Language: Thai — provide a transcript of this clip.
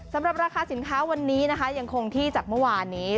สำหรับราคาสินค้าวันนี้นะคะยังคงที่จากเมื่อวานนี้